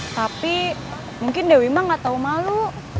tapi mungkin dewi mah nggak tahu malu